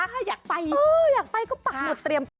ถ้าอยากไปอยากไปก็ปักหมดเตรียมตัว